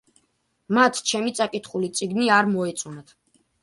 მათ ჩემი წაკითხული წიგნი არ მოეწონათ.